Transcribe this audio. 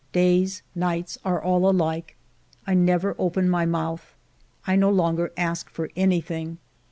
Days, nights, are all alike. I never open my mouth. I no longer ask for anything.